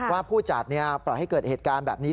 ผู้จัดปล่อยให้เกิดเหตุการณ์แบบนี้